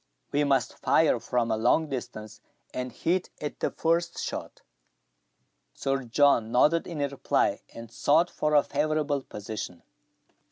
We must fire from a long distance, and hit at the first shot." Sir John nodded in reply, and sought for a favourable position.